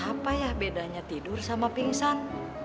apa ya bedanya tidur sama pingsan